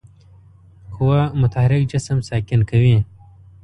قوه متحرک جسم ساکن کوي.